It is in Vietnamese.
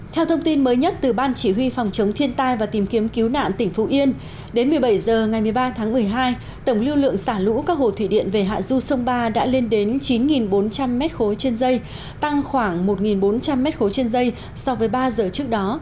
theo thông tin mới nhất từ ban chỉ huy phòng chống thiên tai và tìm kiếm cứu nạn tỉnh phú yên đến một mươi bảy h ngày một mươi ba tháng một mươi hai tổng lưu lượng xả lũ các hồ thủy điện về hạ du sông ba đã lên đến chín bốn trăm linh m ba trên dây tăng khoảng một bốn trăm linh m ba trên dây so với ba giờ trước đó